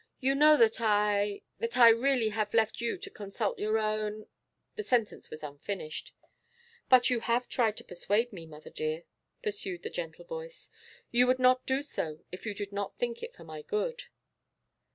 You know that I that I really have left you to consult your own ' The sentence was unfinished. 'But you have tried to persuade me, mother dear,' pursued the gentle voice. 'You would not do so if you did not think it for my good.